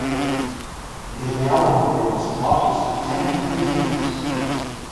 It is now one of the world's largest tank museums.